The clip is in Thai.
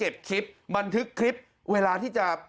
อาวาสมีการฝังมุกอาวาสมีการฝังมุกอาวาสมีการฝังมุก